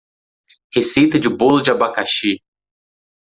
Receita de bolo de abacaxi.